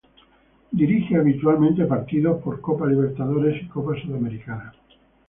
Dirige habitualmente partidos por Copa Libertadores y Copa Sudamericana.